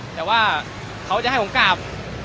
แต่ว่าเขาจะให้ผมกลับ